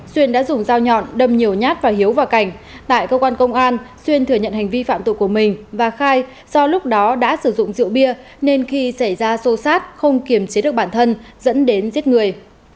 xuyên đã dùng dao nhọn đâm nhiều nhát vào hiếu và cảnh tại cơ quan công an xuyên thừa nhận hành vi phạm tội của mình và khai do lúc đó đã sử dụng rượu bia nên khi xảy ra xô xát không kiềm chế được bản thân dẫn đến giết người